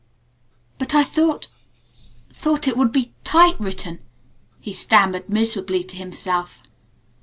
"But I thought thought it would be type written," he stammered miserably to himself.